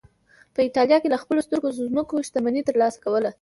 په اېټالیا کې له خپلو سترو ځمکو شتمني ترلاسه کوله